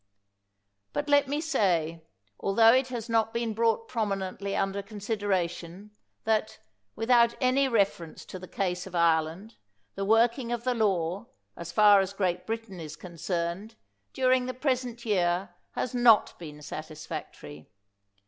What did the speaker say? But let me say, altho it has not been brought prominently under consideration, that, without any reference to the case of Ireland, the working of the law, as far as Great Britain is concerned, during the present year has not been satisfactory.